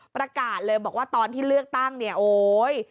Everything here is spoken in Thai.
ประกาศเลยบอกว่าตอนที่เลือกตั้งเนี่ยโอ๊ย